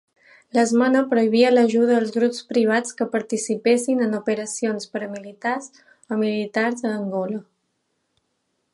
L'esmena prohibia l'ajuda als grups privats que participessin en operacions paramilitars o militars a Angola.